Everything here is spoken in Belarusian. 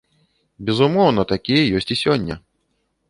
Безумоўна, такія ёсць і сёння.